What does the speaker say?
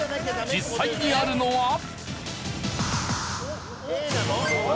実際にあるのは。